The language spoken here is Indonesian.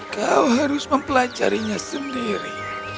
kau harus mempelajarinya sendiri